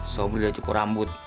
sobri udah cukup rambut